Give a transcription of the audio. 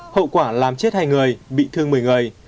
hậu quả làm chết hai người bị thương một mươi người